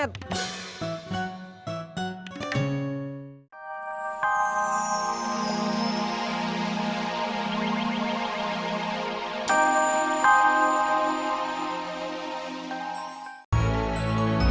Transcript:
gitu dong anak gaul mesti minum es daun taku